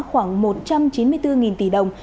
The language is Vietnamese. khoảng một trăm chín mươi bốn tỷ đồng